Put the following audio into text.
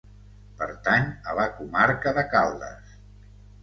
Pertany a la Comarca de Caldas.